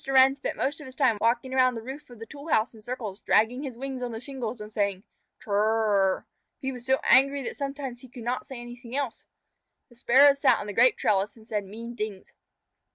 Wren spent most of his time walking around the roof of the tool house in circles, dragging his wings on the shingles, and saying, "Tr r r r r r!" He was so angry that sometimes he could not say anything else. The Sparrows sat on the grape trellis and said mean things.